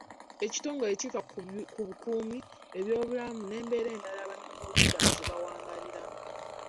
Ekitongole kifa ku bukuumi, ebyobulamu n'embeera endala abanoonyi b'obubudamu ze bawangaaliramu.